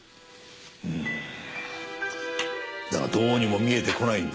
うんだがどうにも見えてこないんだ。